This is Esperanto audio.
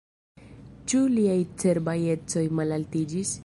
Ĉu liaj cerbaj ecoj malaltiĝis?